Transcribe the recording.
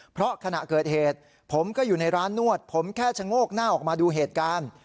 เพราะขณะเกิดเหตุผมก็อยู่ในร้านนวดผมแค่ชะโงกหน้าออกมาดูเหตุการณ์